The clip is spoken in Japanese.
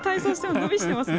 伸びしてますね。